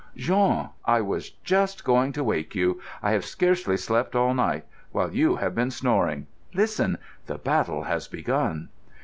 "Jean! I was just going to wake you. I have scarcely slept all night, while you have been snoring. Listen! The battle has begun."